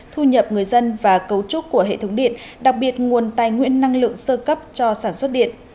thu nhập người dân và cấu trúc của hệ thống điện đặc biệt nguồn tài nguyên năng lượng sơ cấp cho sản xuất điện